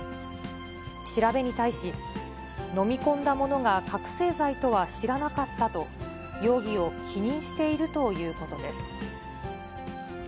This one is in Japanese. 調べに対し、飲み込んだものが覚醒剤とは知らなかったと、容疑を否認しているということです。